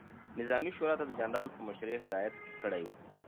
نظامي شورا ته د جنرال په مشري هدایت کړی ؤ،